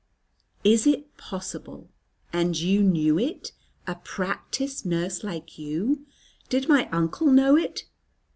"Is it possible? And you knew it, a practised nurse like you! Did my uncle know it?"